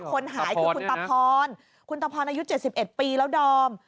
คนหายคือคุณตาพรคุณตะพรอายุ๗๑ปีแล้วดอม